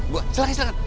bu silahkan silahkan